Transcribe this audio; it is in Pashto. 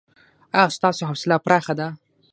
ایا ستاسو حوصله پراخه ده؟